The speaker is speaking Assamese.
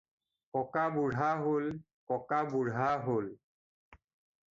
“ককা বুঢ়া হ’ল। ককা বুঢ়া হ’ল।”